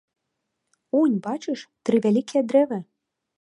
Унь, бачыш тры вялікія дрэвы.